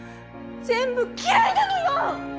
全部嫌いなのよ！